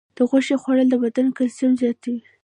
د غوښې خوړل د بدن کلسیم زیاتوي.